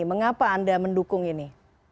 mengapa anda mendukung ini